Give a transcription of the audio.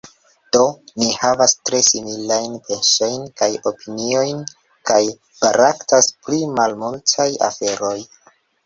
Do, ni havas tre similajn pensojn kaj opiniojn kaj baraktas pri malmultaj aferoj.